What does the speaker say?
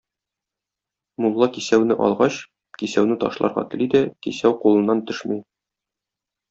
Мулла кисәүне алгач, кисәүне ташларга тели дә, кисәү кулыннан төшми.